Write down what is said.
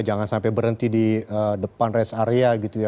jangan sampai berhenti di depan rest area